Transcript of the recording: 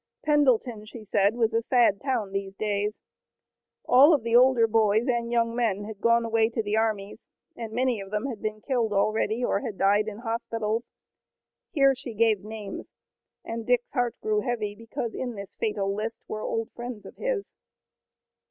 Pendleton, she said, was a sad town in these days. All of the older boys and young men had gone away to the armies, and many of them had been killed already, or had died in hospitals. Here she gave names and Dick's heart grew heavy, because in this fatal list were old friends of his.